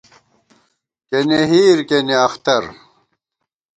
کېنے ہِیر کېنے اختر